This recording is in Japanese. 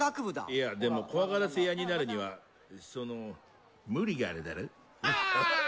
いやでも怖がらせ屋になるにはいやその無理があるだろ？